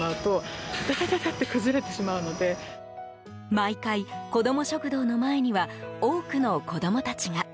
毎回、子ども食堂の前には多くの子供たちが。